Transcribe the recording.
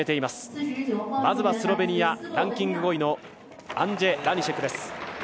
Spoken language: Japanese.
まずはスロベニアランキング５位のアンジェ・ラニシェクです。